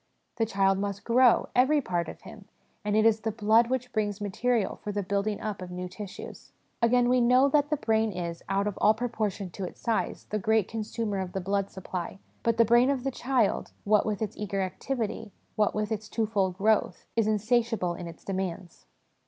The child must grow, every part of him, and it is the blood which brings material for the building up of new tissues. Again, we know that the brain is, out of all proportion to its size, the great consumer of the blood supply, but the brain of the child, what with its eager activity, what with its twofold growth, is insatiable in its demands